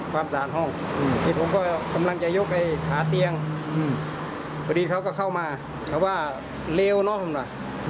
ขาเตียงพอดีเขาก็เข้ามาเขาว่าเลวเนอะผมว่ะ